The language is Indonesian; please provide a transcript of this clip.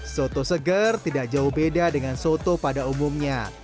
soto seger tidak jauh beda dengan soto pada umumnya